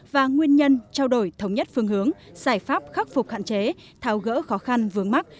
và nguyên nhân trao đổi thống nhất phương hướng giải pháp khắc phục hạn chế thao gỡ khó khăn vướng mắt